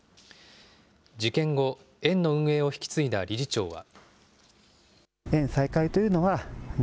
事件後、園の運営を引き継いだ理事長は。